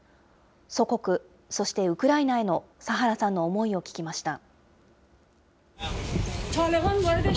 祖国、そしてウクライナへのサハラさんの思いを聞きました。